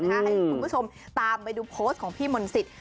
ให้คุณผู้ชมตามไปดูโพสต์ของพี่มนต์สิทธิ